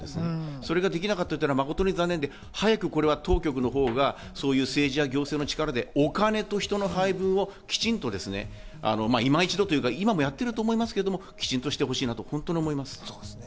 それができなかったというのは誠に残念で、早く当局のほうがそういう政治や行政の力でお金と人の配分をきちんと今一度というか今もやってると思いますけど、きちんとしてほしいと本当に思います。